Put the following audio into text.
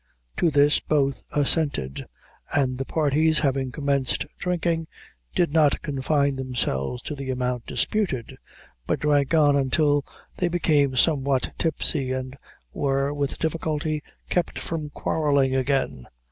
To this both assented, and the parties having commenced drinking, did not confine themselves to the amount disputed, but drank on until they became somewhat tipsy, and were, with difficulty, kept from quarrelling again.